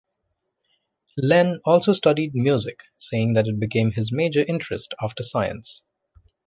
Lehn also studied music, saying that it became his major interest after science.